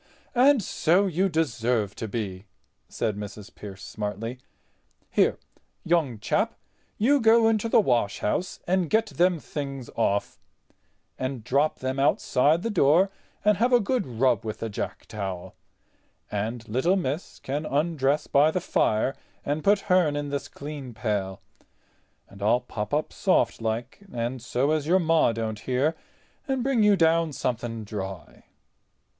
"And so you deserve to be," said Mrs. Pearce, smartly. "Here, young chap, you go into the washhouse and get them things off, and drop them outside the door, and have a good rub with the jack towel; and little miss can undress by the fire and put hern in this clean pail—and I'll pop up softlike and so as your Ma don't hear, and bring you down something dry."